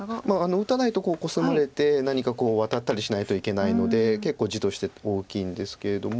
打たないとコスまれて何かワタったりしないといけないので結構地として大きいんですけれども。